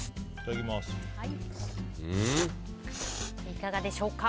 いかがでしょうか？